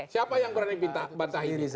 siapa yang berani bantah ini